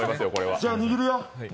じゃあ、にぎるよ。